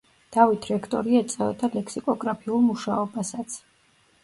დავით რექტორი ეწეოდა ლექსიკოგრაფიულ მუშაობასაც.